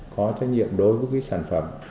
có trách nhiệm đối với cái sản phẩm